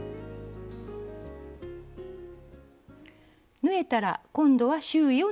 縫えたら今度は周囲を縫います。